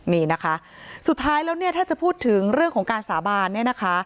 นี่นะคะสุดท้ายแล้วเนี่ยถ้าจะพูดถึงเรื่องของการสาบานเนี่ยนะคะ